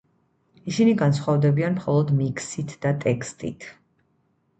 ისინი განსხვავდებიან მხოლოდ მიქსით და ტექსტით.